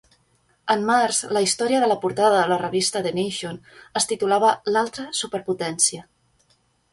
En març, la història de la portada de la revista "The Nation" es titulava "L'altra superpotència".